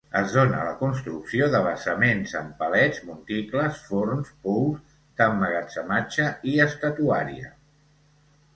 Es dóna la construcció de basaments amb palets, monticles, forns, pous d'emmagatzematge, i estatuària.